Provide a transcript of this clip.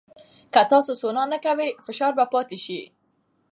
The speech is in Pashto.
که تاسو سونا نه کوئ، فشار به پاتې شي.